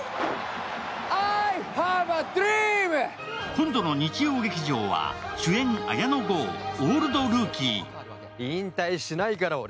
今度の日曜劇場は主演・綾野剛、「オールドルーキー」。